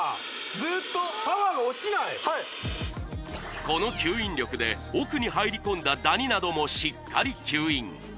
ずーっとパワーが落ちないはいっこの吸引力で奥に入り込んだダニなどもしっかり吸引